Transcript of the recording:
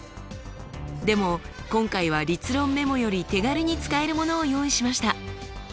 でも今回は立論メモより手軽に使えるものを用意しました。